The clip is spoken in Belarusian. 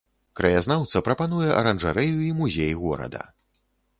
Краязнаўца прапануе аранжарэю і музей горада.